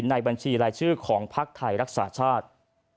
บัญชีรายชื่อของภักดิ์ไทยรักษาชาติ